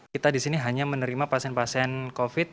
kita di sini hanya menerima pasien pasien covid